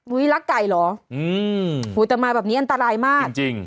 อุ๊ยลักไก่เหรอแต่มาแบบนี้อันตรายมากจริง